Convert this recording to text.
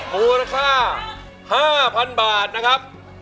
มูลค่า๕๐๐๐บาทนะครับ